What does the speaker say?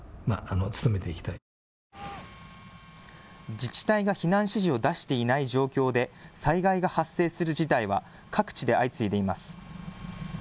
自治体が避難指示を出していない状況で災害が発生する事態は各地で相次いでいます。